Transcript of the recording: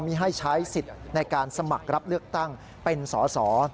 มีให้ใช้สิทธิ์ในการสมัครรับเลือกตั้งเป็นสอสอ